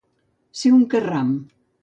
Ser un carram.